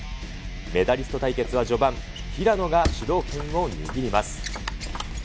メダリスト対決は序盤、平野が主導権を握ります。